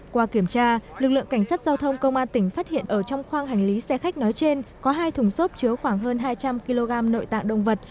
qua kiểm tra lực lượng cảnh sát giao thông công an tỉnh phát hiện ở trong khoang hành lý xe khách nói trên có hai thùng xốp chứa khoảng hơn hai trăm linh kg nội tạng động vật